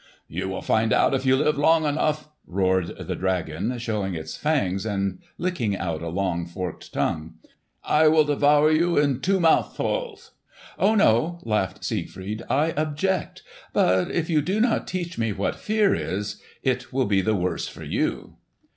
"You will find out if you live long enough!" roared the dragon showing its fangs and licking out a long forked tongue. "I will devour you in two mouthfuls." "Oh no!" laughed Siegfried. "I object. But if you do not teach me what fear is, it will be the worse for you!"